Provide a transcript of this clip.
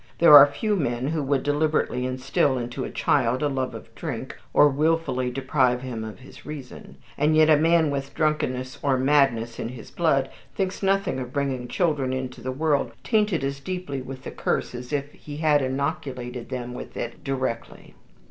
There are few men who would deliberately instill into a child a love of drink, or wilfully deprive him of his reason; and yet a man with drunkenness or madness in his blood thinks nothing of bringing children into the world tainted as deeply with the curse as if he had inoculated them with it directly.